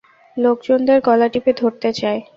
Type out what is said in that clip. লোকজনদের গলা টিপে ধরতে চায়।